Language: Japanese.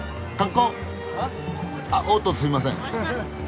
ハ？あっおっとすいません。